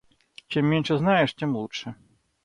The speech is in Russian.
Чем меньше знаешь, тем лучше.